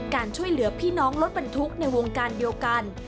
การช่วยเหลือพี่น้องรถบรรทุกในวงการเดียวกัน